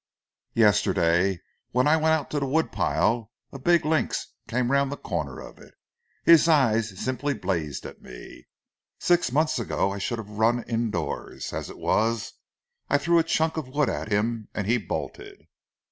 Yesterday, when I went out to the wood pile a big lynx came round the corner of it. His eyes simply blazed at me. Six months ago, I should have run indoors. As it was, I threw a chunk of wood at him and he bolted."